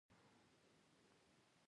بې قلمه ښوونه نه کېږي.